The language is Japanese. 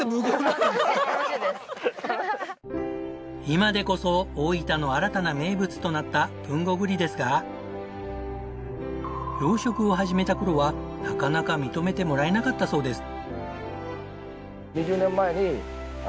今でこそ大分の新たな名物となった豊後ぶりですが養殖を始めた頃はなかなか認めてもらえなかったそうです。